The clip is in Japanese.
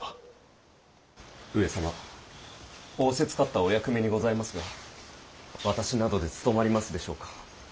上様仰せつかったお役目にございますが私などでつとまりますでしょうか。